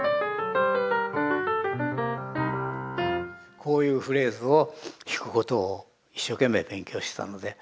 こういうフレーズを弾くことを一生懸命勉強してたのであの。